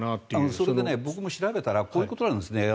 それで、僕も調べたらこういうことなんですね。